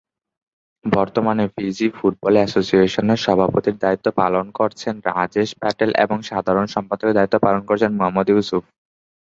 বর্তমানে Fiji football অ্যাসোসিয়েশনের সভাপতির দায়িত্ব পালন করছেন রাজেশ প্যাটেল এবং সাধারণ সম্পাদকের দায়িত্ব পালন করছেন মুহাম্মদ ইউসুফ।